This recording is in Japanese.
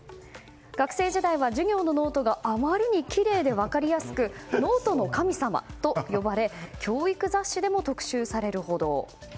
学生時代は授業のノートがあまりにきれいで分かりやすくノートの神様と呼ばれ教育雑誌でも特集されるほど。